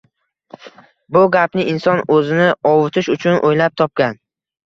Bu gapni inson o`zini ovutish uchun o`ylab topgan